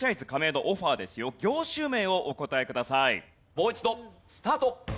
もう一度スタート！